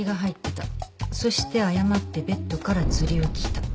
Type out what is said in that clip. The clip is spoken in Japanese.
そして誤まってベッドからずり落ちた。